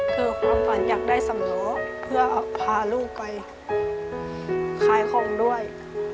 คือความฝันอยากได้สำล้อเพื่อพาลูกไปขายของด้วย